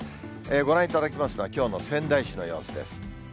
ご覧いただきますのは、きょうの仙台市の様子です。